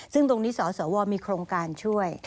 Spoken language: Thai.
ซึ่งตรงนี้สสวมีโครงการช่วย